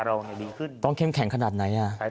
ยังไงเราก็ต้องไปต่อยังไงเราก็ต้องไปต่อยังไงเราก็ไม่ตาย